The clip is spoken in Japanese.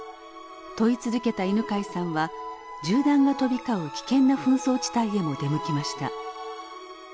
問い続けた犬養さんは銃弾が飛び交う危険な紛争地帯へも出向きました。